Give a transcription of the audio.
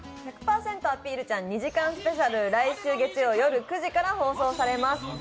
アピルちゃん」２時間スペシャル、来週月曜夜９時から放送されます。